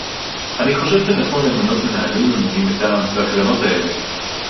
אני חושב שנכון למנות מנהלים ממונים-מטעם לקרנות האלה